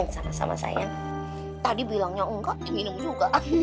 sama sama sayang tadi bilangnya enggak diminum juga